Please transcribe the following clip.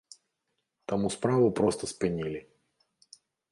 Таму справу проста спынілі.